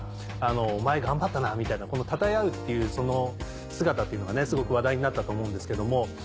「お前頑張ったな」みたいなたたえ合う姿っていうのがすごく話題になったと思うんですけども。